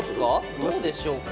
どうでしょうか？